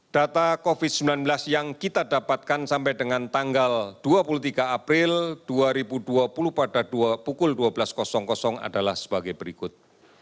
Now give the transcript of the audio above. data covid sembilan belas yang kita dapatkan sampai dengan tanggal dua puluh tiga april dua ribu dua puluh pada pukul dua belas adalah sebagai berikut